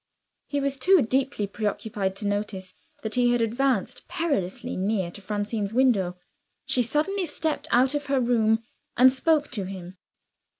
He was too deeply preoccupied to notice that he had advanced perilously near Francine's window. She suddenly stepped out of her room, and spoke to him.